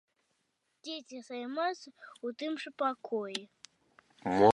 Дзеці займаюцца ў тым жа пакоі.